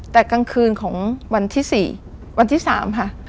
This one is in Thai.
แต่กลางคืนของวันที่๓ค่ะ